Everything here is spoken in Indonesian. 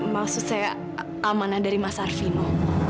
maksud saya amanah dari mas arfino